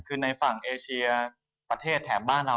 คือในฝั่งเอเชียประเทศแถบบ้านเรา